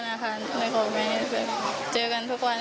ในกรงบแวนนี้แบบเจอกันทุกวัน